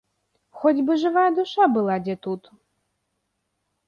Хоць бы жывая душа была дзе тут!